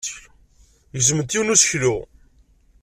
Gezment yiwen n useklu.